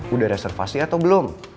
udah reservasi atau belum